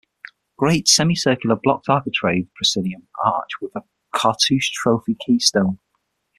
Great, semi-circular, blocked architrave proscenium arch with cartouche- trophy keystone.